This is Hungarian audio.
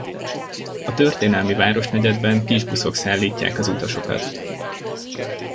A történelmi városnegyedben kisbuszok szállítják az utasokat.